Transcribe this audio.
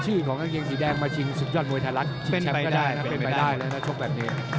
ของกางเกงสีแดงมาชิงศึกยอดมวยไทยรัฐชิงแชมป์ก็ได้นะเป็นไปได้แล้วนะชกแบบนี้